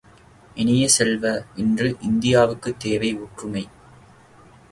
இனிய செல்வ, இன்று இந்தியாவுக்குத் தேவை ஒற்றுமை!